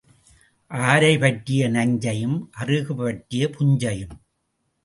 ஆரை பற்றிய நஞ்சையும் அறுகு பற்றிய புஞ்சையும்.